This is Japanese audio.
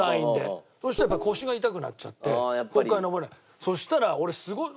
そしたらやっぱり腰が痛くなっちゃってここから登れない。